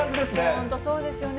本当そうですよね。